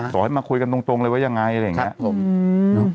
ขอให้มาคุยกันตรงเลยว่ายังไงอะไรอย่างนี้